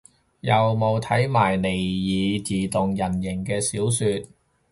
有冇睇埋尼爾自動人形嘅小說